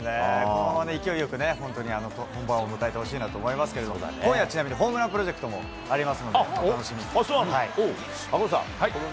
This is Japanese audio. このまま勢いよくね、本番を迎えてほしいなと思いますけれども、今夜、ちなみにホームランプロジェクトもありますので、楽しみにしてください。